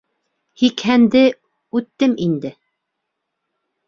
— Һикһәнде үттем инде.